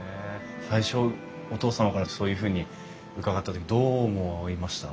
最初お父様からそういうふうに伺った時どう思いました？